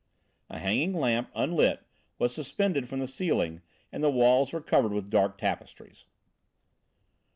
A hanging lamp, unlit, was suspended from the ceiling and the walls were covered with dark tapestries.